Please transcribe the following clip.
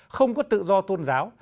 không có tự do tôn giáo